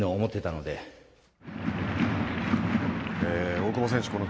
大久保選手